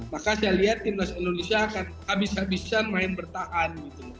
maka saya lihat tim nasional indonesia akan habis habisan main bertahan